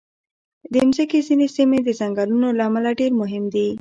د مځکې ځینې سیمې د ځنګلونو له امله ډېر مهم دي.